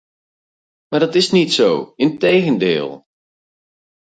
Maar dat is niet zo, integendeel!